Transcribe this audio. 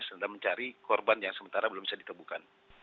sedang mencari korban yang sementara belum bisa ditemukan